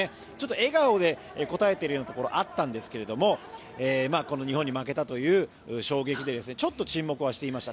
笑顔で答えているようなところがあったんですがこの日本に負けたという衝撃でちょっと沈黙はしていました。